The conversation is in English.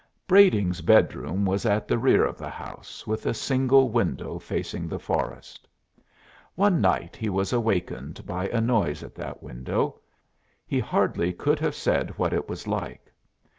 Brading's bedroom was at the rear of the house, with a single window facing the forest. One night he was awakened by a noise at that window; he could hardly have said what it was like.